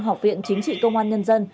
học viện chính trị công an nhân dân